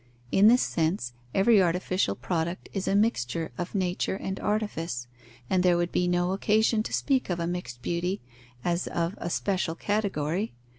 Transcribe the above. In this sense, every artificial product is a mixture of nature and artifice; and there would be no occasion to speak of a mixed beauty, as of a special category.